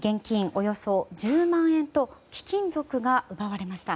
およそ１０万円と貴金属が奪われました。